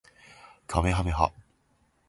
かめはめ波